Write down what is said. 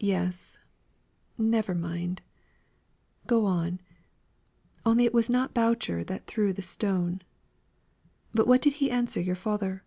"Yes. Never mind. Go on. Only it was not Boucher that threw the stone. But what did he answer to your father?"